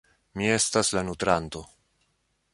Mi estas la nutranto.